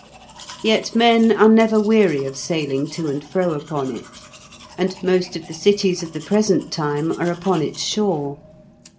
Yet men are never weary of sailing to and fro upon it, and most of the cities of the present time are upon its shore.